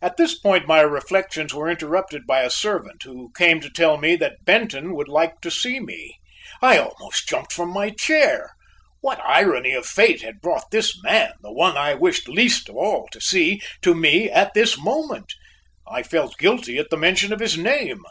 At this point my reflections were interrupted by a servant who came to tell me that Benton would like to see me. I almost jumped from my chair. What irony of fate had brought this man the one I wished least of all to see to me at this moment? I felt guilty at the mention of his name.